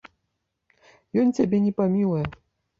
Ён цябе не памілуе.